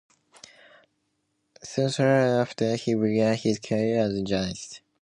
Soon thereafter, he began his career as a journalist.